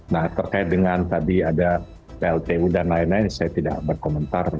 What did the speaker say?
nah terkait dengan tadi ada pltu dan lain lain saya tidak berkomentar